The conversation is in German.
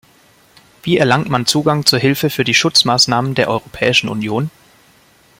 Wie erlangt man Zugang zur Hilfe für die Schutzmaßnahmen der Europäischen Union?